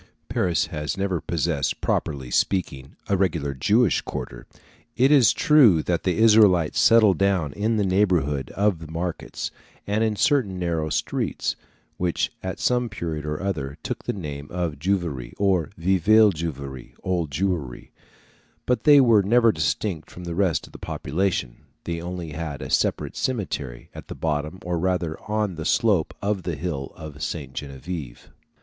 Paris has never possessed, properly speaking, a regular Jewish quarter; it is true that the Israelites settled down in the neighbourhood of the markets, and in certain narrow streets, which at some period or other took the name of Juiverie or Vieille Juiverie (Old Jewry); but they were never distinct from the rest of the population; they only had a separate cemetery, at the bottom or rather on the slope of the hill of Sainte Geneviève.